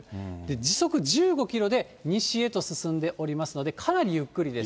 時速１５キロで西へと進んでおりますので、かなりゆっくりです。